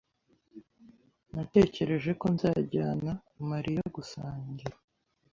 Natekereje ko nzajyana Mariya gusangira.